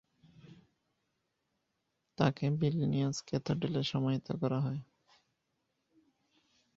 তাকে ভিলনিয়াস ক্যাথেড্রালে সমাহিত করা হয়।